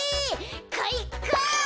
かいか！